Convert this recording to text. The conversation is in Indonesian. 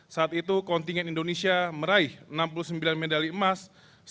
saat itu kontingen indonesia meraih enam puluh sembilan medali emas